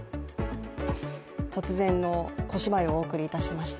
突然の小芝居をお送りいたしました。